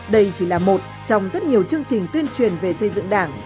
đây chỉ là một trong rất nhiều chương trình tuyên truyền về xây dựng đảng